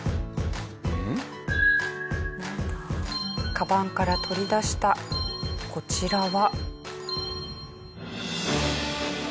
カバンから取り出したこちらは。